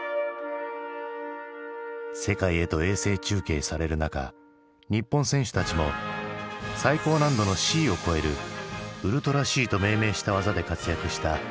世界へと衛星中継される中日本選手たちも最高難度のＣを超える「ウルトラＣ」と命名した技で活躍した男子体操。